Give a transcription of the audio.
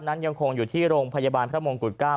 นั้นยังคงอยู่ที่โรงพยาบาลพระมงกุฎ๙